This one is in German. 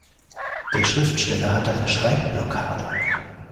Der Schriftsteller hatte eine Schreibblockade.